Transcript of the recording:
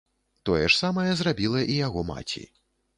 Тое ж самае зрабіла і яго маці.